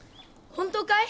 本当かい？